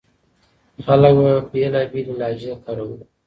خلک به بېلابېلې لهجې کارولې.